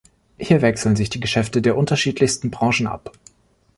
Hier wechseln sich die Geschäfte der unterschiedlichsten Branchen ab.